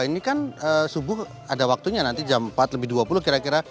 ini kan subuh ada waktunya nanti jam empat lebih dua puluh kira kira